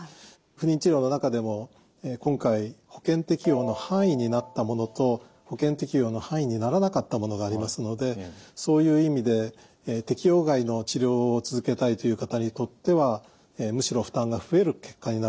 不妊治療の中でも今回保険適用の範囲になったものと保険適用の範囲にならなかったものがありますのでそういう意味で適用外の治療を続けたいという方にとってはむしろ負担が増える結果になるかと思います。